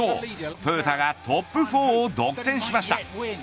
トヨタがトップ４を独占しました。